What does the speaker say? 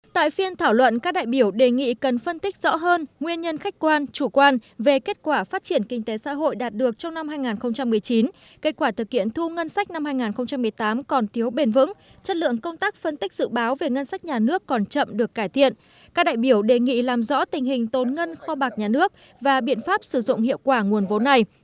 tại phiên thảo luận các đại biểu đề nghị cần phân tích rõ hơn nguyên nhân khách quan chủ quan về kết quả phát triển kinh tế xã hội đạt được trong năm hai nghìn một mươi chín kết quả thực hiện thu ngân sách năm hai nghìn một mươi tám còn tiếu bền vững chất lượng công tác phân tích dự báo về ngân sách nhà nước còn chậm được cải thiện các đại biểu đề nghị làm rõ tình hình tốn ngân kho bạc nhà nước và biện pháp sử dụng hiệu quả nguồn vốn này